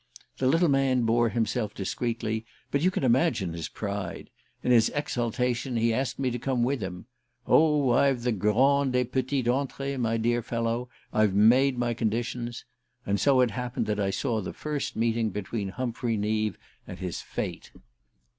The little man bore himself discreetly, but you can imagine his pride. In his exultation he asked me to come with him "Oh, I've the grandes et petites entrees, my dear fellow: I've made my conditions " and so it happened that I saw the first meeting between Humphrey Neave and his fate.